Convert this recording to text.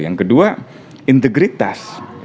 yang kedua integritas